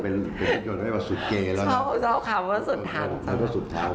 เป็นผู้โจรให้ว่าสุดเกย์แล้วชอบชอบคำว่าสุดทาง